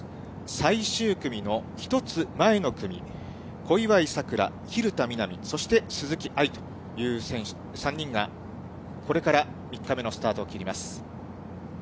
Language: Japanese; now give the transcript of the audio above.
最終組の１つ前の組、小祝さくら、蛭田みな美、そして鈴木愛という選手、３人がこれから３日目のスタートを切ります。